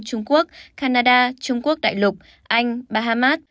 trung quốc canada trung quốc đại lục anh bahamas